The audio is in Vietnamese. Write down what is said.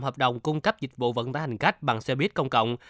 hợp đồng cung cấp dịch vụ vận tải hành khách bằng xe buýt công cộng